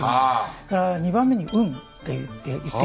それから２番目に「運」って言っています。